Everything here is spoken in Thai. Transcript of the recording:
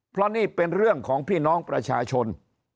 เพราะนี่เป็นเรื่องของพี่น้องประชาชน